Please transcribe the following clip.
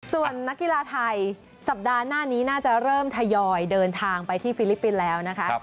ส่วนนักกีฬาไทยสัปดาห์หน้านี้น่าจะเริ่มทยอยเดินทางไปที่ฟิลิปปินส์แล้วนะคะ